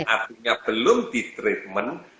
artinya belum ditreatment